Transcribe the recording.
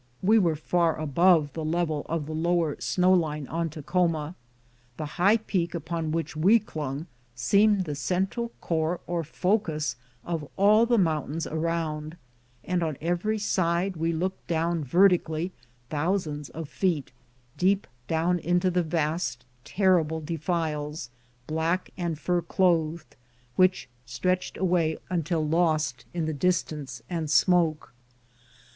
We were far above the level of the lower snow line on Takhoma. The high peak upon which we clung seemed the central core or focus of all the mountains around, and on every side we looked down vertically thousands of feet, deep down into vast, terrible defiles, black and fir clothed, which stretched away until lost in the distance and smoke.